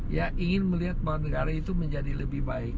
ya ingin melihat bahwa negara itu menjadi lebih baik